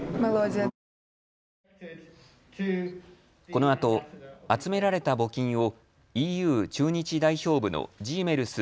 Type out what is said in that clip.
このあと集められた募金をＥＵ駐日代表部のジーメルス